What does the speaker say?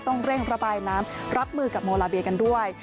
ต้องเร่งระบายน้ำรับมือกับโมลาเบียกันด้วย